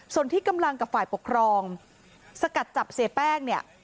ส่วนที่กำลังกับฝ่ายปกครองสกัดจับเสียแป้งเนี่ย